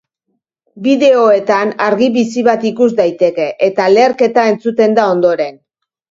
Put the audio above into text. Bideoetan, argi bizi bat ikus daiteke, eta leherketa entzuten da ondoren.